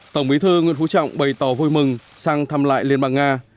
tổng bí thư nguyễn phú trọng bày tỏ vui mừng sang thăm lại liên bang nga